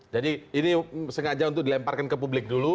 jadi ini sengaja untuk dilemparkan ke purwokerto